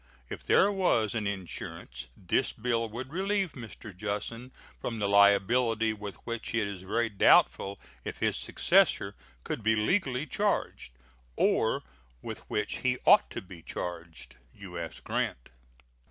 If there was an insurance, this bill would relieve Mr, Jussen from the liability with which it is very doubtful if his successor could be legally charged, or with which he ought to be charged. U.S. GRANT.